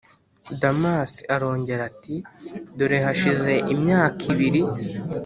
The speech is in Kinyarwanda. damas arongera ati: dore hashize imyaka ibiri,